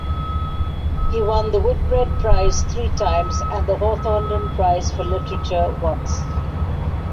He won the Whitbread Prize three times and the Hawthornden Prize for Literature once.